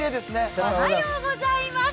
おはようございます。